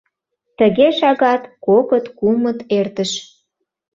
Тыге шагат, кокыт, кумыт эртыш...